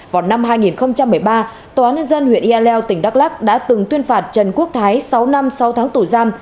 vào năm hai nghìn một mươi ba tòa án nhân dân huyện yaleo tỉnh đắk lắc đã từng tuyên phạt trần quốc thái sáu năm sáu tháng tổ giam